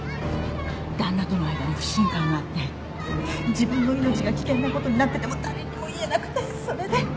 旦那との間に不信感があって自分の命が危険なことになってても誰にも言えなくてそれで。